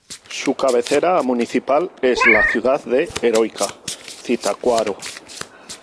Su cabecera municipal es la ciudad de Heroica Zitácuaro.